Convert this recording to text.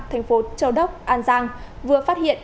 thành phố châu đốc an giang vừa phát hiện